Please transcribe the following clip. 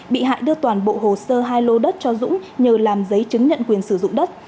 bị hại đưa toàn bộ hồ sơ hai lô đất cho dũng nhờ làm giấy chứng nhận quyền sử dụng đất